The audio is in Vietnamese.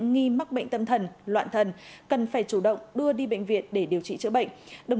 nghi mắc bệnh tâm thần loạn thần cần phải chủ động đưa đi bệnh viện để điều trị chữa bệnh